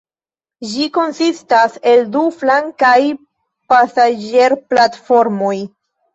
Ĝi konsistas el du flankaj pasaĝerplatformoj.